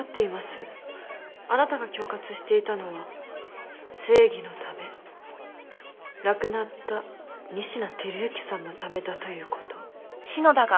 あなたが恐喝していたのは正義のため亡くなった仁科輝幸さんのためだということ。